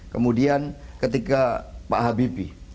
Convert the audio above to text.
kemudian ketika pak habibie